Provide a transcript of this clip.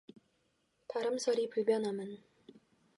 바람 서리 불변함은